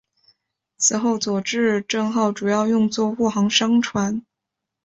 此后佐治镇号主要用作护航商船。